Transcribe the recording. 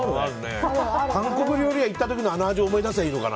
韓国料理屋、行った時のあの味を思い出せばいいのかな。